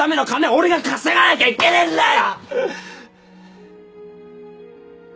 俺が稼がなきゃいけねえんだよ‼